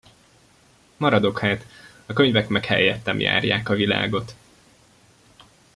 Maradok hát, a könyvek meg helyettem járják a világot.